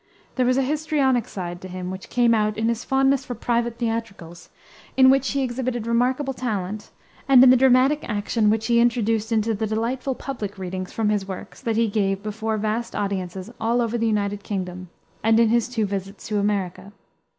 There was a histrionic side to him, which came out in his fondness for private theatricals, in which he exhibited remarkable talent, and in the dramatic action which he introduced into the delightful public readings from his works that he gave before vast audiences all over the United Kingdom, and in his two visits to America.